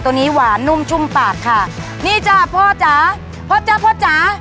ตัวนี้หวานนุ่มชุ่มปากค่ะนี่จ้ะพ่อจ๋าพ่อจ๊ะพ่อจ๋า